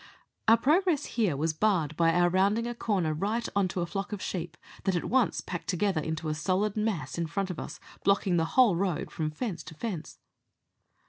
Our progress here was barred by our rounding a corner right on to a flock of sheep, that at once packed together into a solid mass in front of us, blocking the whole road from fence to fence.